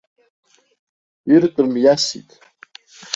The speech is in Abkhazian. Иртәым иасит.